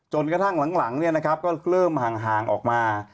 จนกระทั่งหลังเนี่ยนะครับก็เริ่มห่างออกมา